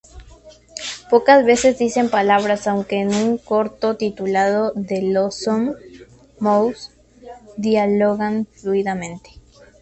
Pocas veces dicen palabras, aunque en un corto titulado "The Lonesome Mouse" dialogan fluidamente.